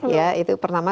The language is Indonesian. ya itu pertama